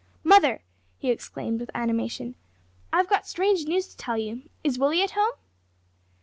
"Mother," he exclaimed with animation, "I've got strange news to tell you. Is Willie at home?"